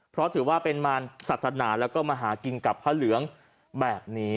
เพราะถือว่าเป็นมารศาสนาแล้วก็มาหากินกับพระเหลืองแบบนี้